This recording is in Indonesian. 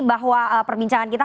bahwa perbincangan kita